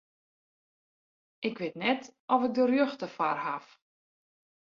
Ik wit net oft ik de rjochte foar haw.